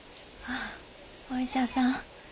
ああお医者さん？